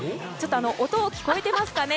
音、聞こえていますかね？